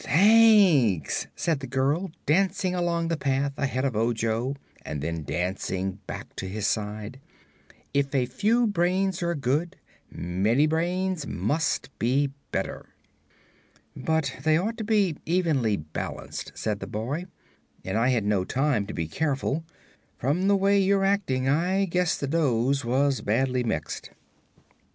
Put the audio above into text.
"Thanks," said the girl, dancing along the path ahead of Ojo and then dancing back to his side. "If a few brains are good, many brains must be better." "But they ought to be evenly balanced," said the boy, "and I had no time to be careful. From the way you're acting, I guess the dose was badly mixed."